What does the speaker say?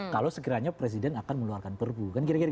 kalau segeranya presiden akan meluarkan perpu